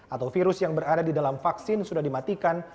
atau virus yang berada di dalam vaksin sudah dimatikan